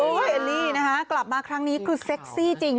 สวยขนาดนี้ลูกเอลลี่นะคะกลับมาครั้งนี้คือเซ็กซี่จริง